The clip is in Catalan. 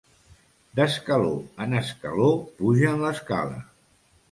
D'escaló en escaló pugen l'escala.